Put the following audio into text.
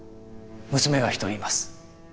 娘が１人います。